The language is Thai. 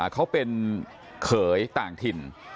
เขาเป็นเขยต่างถิ่น